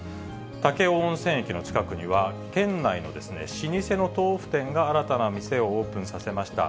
武雄温泉駅の近くには、県内の老舗の豆腐店が新たな店をオープンさせました。